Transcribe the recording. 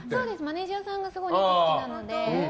マネジャーさんがお肉好きなので。